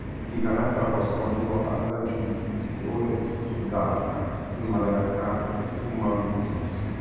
Il vicariato apostolico aveva giurisdizione sul Sudafrica, sul Madagascar e su Mauritius.